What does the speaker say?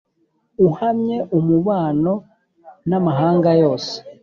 Uhamye umubano n amahanga yose